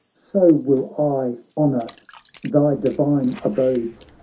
So will I honour thy divine abodes.